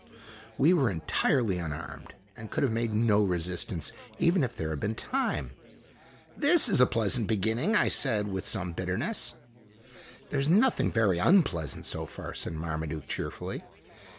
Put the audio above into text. We were entirely unarmed, and could have made no resistance even if there had been time. " This is a pleasant beginning !" I said, with some bitterness. " There 's nothing very unpleasant so far," said Marmaduke cheerfully.